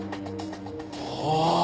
はあ！